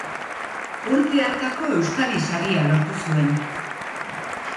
Urte hartako Euskadi Saria lortu zuen.